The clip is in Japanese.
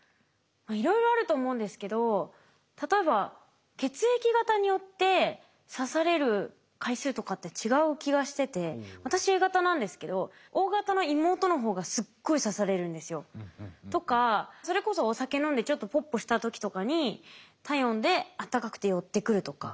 いろいろあると思うんですけど例えば血液型によって刺される回数とかって違う気がしてて私Ａ型なんですけどＯ型の妹の方がすっごい刺されるんですよ。とかそれこそお酒飲んでちょっとポッポした時とかに体温であったかくて寄ってくるとか。